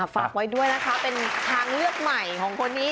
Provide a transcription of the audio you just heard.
ฝากไว้ด้วยนะคะเป็นทางเลือกใหม่ของคนนี้